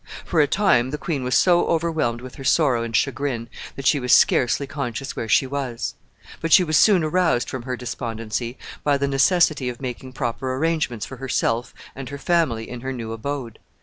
For a time the queen was so overwhelmed with her sorrow and chagrin that she was scarcely conscious where she was. But she was soon aroused from her despondency by the necessity of making proper arrangements for herself and her family in her new abode.